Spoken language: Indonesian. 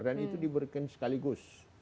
dan itu diberikan sekaligus